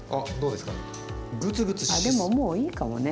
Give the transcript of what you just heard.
でももういいかもね。